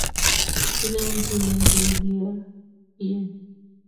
kilenchinekee kioiyen